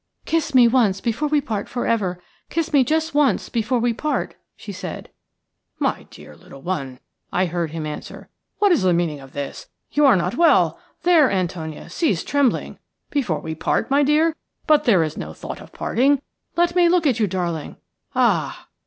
"Kiss me once before we part for ever. Kiss me just once before we part," she said. "WHAT IS IT, LITTLE ONE?" "My dear little one," I heard him answer, "what is the meaning of this? You are not well. There, Antonia, cease trembling. Before we part, my dear? But there is no thought of parting. Let me look at you, darling. Ah!"